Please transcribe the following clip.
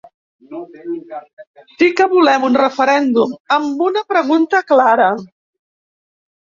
Sí que volem un referèndum, amb una pregunta clara.